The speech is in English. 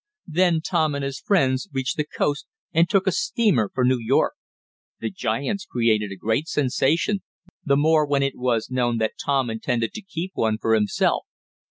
Then Tom and his friends reached the coast, and took a steamer for New York. The giants created a great sensation, the more when it was known that Tom intended to keep one for himself.